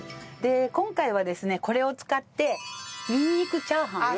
今回はですねこれを使ってにんにくチャーハンを。